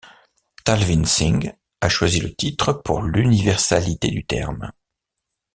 Talvin Singh a choisi le titre pour l'universalité du terme.